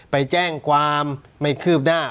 ไปแจ้งความไม่คืบหน้า